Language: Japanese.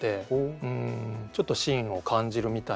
うんちょっと芯を感じるみたいな。